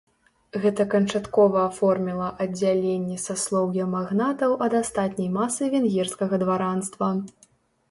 Гэта канчаткова аформіла аддзяленне саслоўя магнатаў ад астатняй масы венгерскага дваранства.